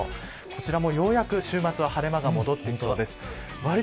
こちらもようやく週末は晴れ間が戻ってきそうです。